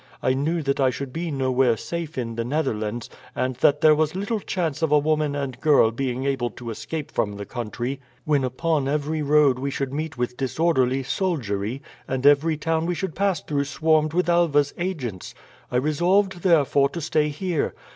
I knew that I should be nowhere safe in the Netherlands, and that there was little chance of a woman and girl being able to escape from the country, when upon every road we should meet with disorderly soldiery, and every town we should pass through swarmed with Alva's agents. I resolved, therefore, to stay here.